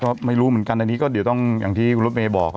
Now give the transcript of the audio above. ก็ไม่รู้เหมือนกันอันนี้ก็เดี๋ยวต้องอย่างที่คุณรถเมย์บอก